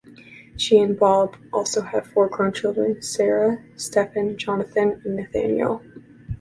She and Bob also have four grown children: Sarah, Stephan, Jonathan, and Nathaniel.